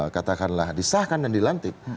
katakanlah disahkan dan dilantik